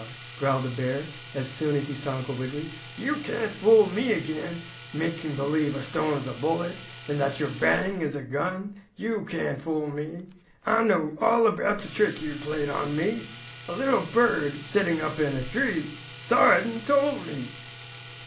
growled the bear, as soon as he saw Uncle Wiggily, "you can't fool me again, making believe a stone is a bullet, and that your 'Bang!' is a gun! You can't fool me! I know all about the trick you played on me. A little bird, sitting up in a tree, saw it and told me!"